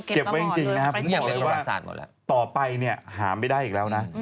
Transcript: เก็บไว้จริงนะครับต่อไปเนี่ยหามไม่ได้อีกแล้วนะ